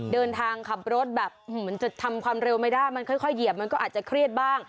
ขับรถแบบเหมือนจะทำความเร็วไม่ได้มันค่อยเหยียบมันก็อาจจะเครียดบ้าง